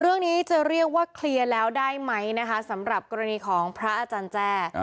เรื่องนี้จะเรียกว่าเคลียร์แล้วได้ไหมนะคะสำหรับกรณีของพระอาจารย์แจ้